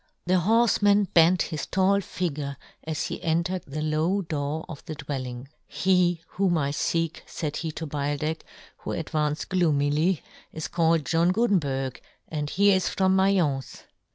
The horfeman bent his tall figure as he entered the low door of the dwelling. " He whom I feek," faid he to Beildech, who advanced gloomily, " is called John Guten berg, and he is from Mai'ence."